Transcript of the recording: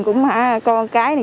cũng có cái này